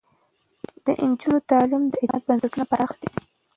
د نجونو تعليم د اعتماد بنسټونه پراخ ساتي.